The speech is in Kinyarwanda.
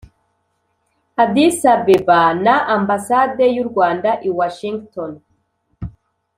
addis-abeba na ambasade y'u rwanda i washington,